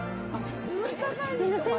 すみません。